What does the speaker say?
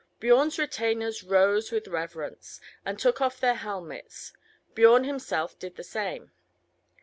Biorn's retainers rose with reverence, and took off their helmets; Biorn himself did the same.